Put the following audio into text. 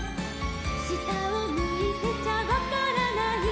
「したをむいてちゃわからない」